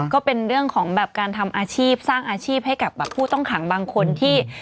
ก็เป็นเรื่องของแบบการทำอาชีพสร้างอาชีพให้กับผู้ต้องขังบางคนที่